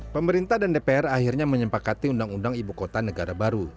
pemerintah dan dpr akhirnya menyempakati undang undang ibu kota negara baru